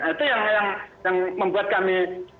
itu yang membuat kami